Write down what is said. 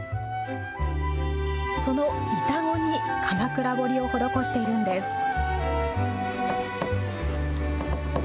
その板子に鎌倉彫を施しているんです。